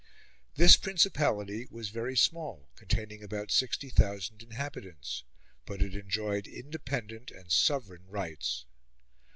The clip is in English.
This principality was very small, containing about 60,000 inhabitants, but it enjoyed independent and sovereign rights.